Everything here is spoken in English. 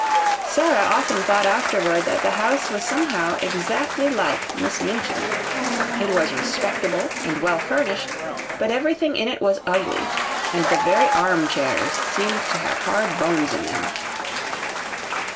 Sara often thought afterward that the house was somehow exactly like Miss Minchin. It was respectable and well furnished, but everything in it was ugly; and the very armchairs seemed to have hard bones in them.